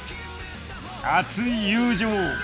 ［熱い友情］